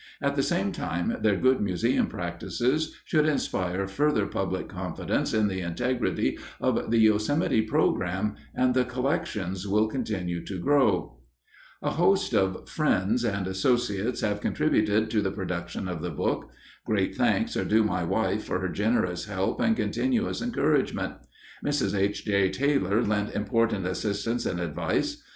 At the same time, their good museum practices should inspire further public confidence in the integrity of the Yosemite program, and the collections will continue to grow._ [Illustration: By Ralph Anderson, NPS The Yosemite Museum] _A host of friends and associates have contributed to the production of the book. Great thanks are due my wife for her generous help and continuous encouragement. Mrs. H. J. Taylor lent important assistance and advice.